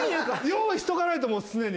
用意しとかないと常に。